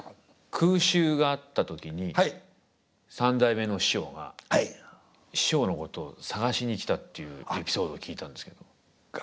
空襲があった時に三代目の師匠が師匠のことを捜しに来たっていうエピソードを聞いたんですけど。